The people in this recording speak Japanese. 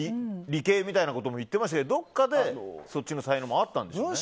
理系みたいなことも言ってましたけど、どっかでそっちの才能もあったんでしょうね。